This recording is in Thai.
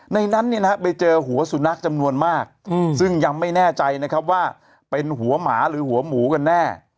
ในนั้นไปเจอหัวสุนัขจำนวนมากซึ่งยังไม่แน่ใจนะครับว่าเป็นหัวหมาหรือหัวหมูกันแน่